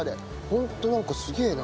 ホントなんかすげえな。